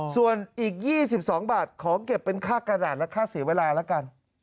ส่วนอีก๒๒บาทขอเก็บเป็นค่ากระดาษและค่าเสียเวลาแล้วกัน